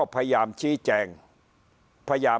พักพลังงาน